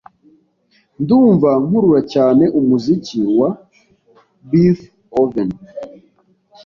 Ndumva nkurura cyane umuziki wa Beethoven.